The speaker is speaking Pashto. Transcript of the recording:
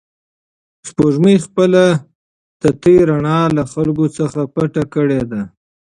سپوږمۍ خپله تتې رڼا له خلکو څخه پټه کړې ده.